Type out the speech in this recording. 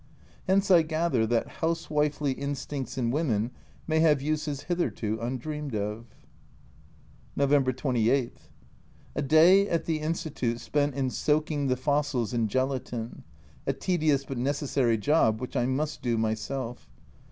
Hence I gather that housewifely instincts in women may have uses hitherto undreamed of. November 28. A day at the Institute spent in soaking the fossils in gelatine a tedious but necessary job which I must do myself.